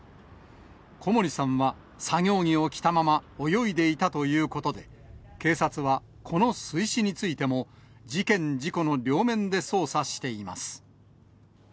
小森さんは作業着を着たまま泳いでいたということで、警察はこの水死についても、事件、事故の両面で捜査しています。